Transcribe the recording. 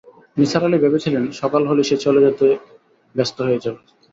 নিসার আলি ভেবেছিলেন, সকাল হলেই সে চলে যেতে ব্যস্ত হয়ে যাবে।